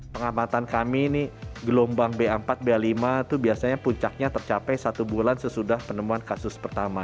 pengamatan kami ini gelombang b empat b lima itu biasanya puncaknya tercapai satu bulan sesudah penemuan kasus pertama